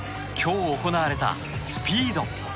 そして今日行われたスピード。